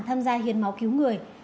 tham gia hiền máu cứu người